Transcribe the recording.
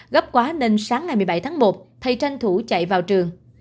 gấp quá nên sáng ngày một mươi bảy tháng một thầy tranh thủ chạy vào trường